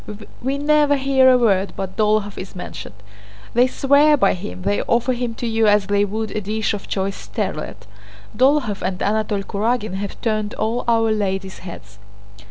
We never hear a word but Dólokhov is mentioned. They swear by him, they offer him to you as they would a dish of choice sterlet. Dólokhov and Anatole Kurágin have turned all our ladies' heads."